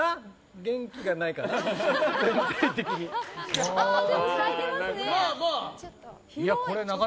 元気がないかな？